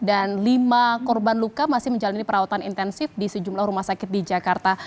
dan lima korban luka masih menjalani perawatan intensif di sejumlah rumah sakit di jakarta